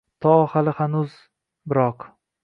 To hali hanuz biroq